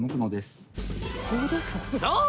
そう！